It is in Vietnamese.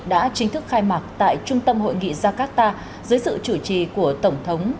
đã chính thức khai mạc tại trung tâm hội nghị jakarta dưới sự chủ trì của tổng thống